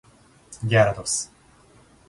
ギャラドス